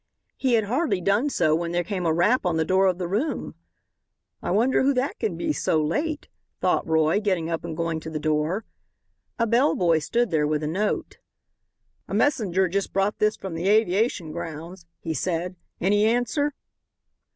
He had hardly done so when there came a rap on the door of the room. "I wonder who that can be so late?" thought Roy, getting up and going to the door. A bellboy stood there with a note. "A messenger just brought this from the aviation grounds," he said. "Any answer?"